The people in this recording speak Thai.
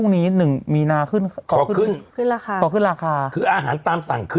หนึ่งมีนาขึ้นขอขึ้นขึ้นราคาขอขึ้นราคาคืออาหารตามสั่งคือ